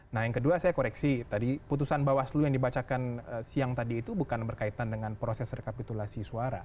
nah yang kedua saya koreksi tadi putusan bawaslu yang dibacakan siang tadi itu bukan berkaitan dengan proses rekapitulasi suara